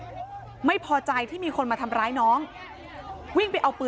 ตอนนี้ก็ไม่มีอัศวินทรีย์ที่สุดขึ้นแต่ก็ไม่มีอัศวินทรีย์ที่สุดขึ้น